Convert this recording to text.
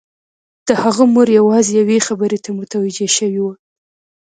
د هغه مور یوازې یوې خبرې ته متوجه شوې وه